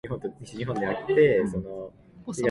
五月雨をあつめてやばしドナウ川